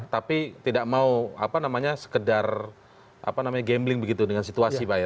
tapi tidak mau apa namanya sekedar gambling begitu dengan situasi pak ya